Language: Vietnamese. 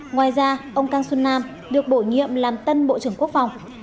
ngoài ra ông kang xuân nam được bổ nhiệm làm tân bộ trưởng quốc phòng